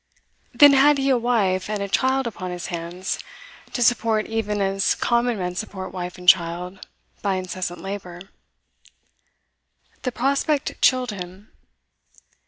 Then had he a wife and child upon his hands, to support even as common men support wife and child, by incessant labour. The prospect chilled him.